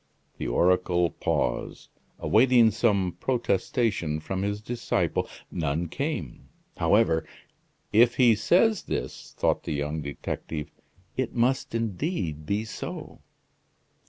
The oracle paused, awaiting some protestation from his disciple. None came, however. "If he says this," thought the young detective, "it must indeed be so."